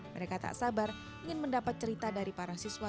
mereka tak sabar ingin mendapat cerita dari para siswa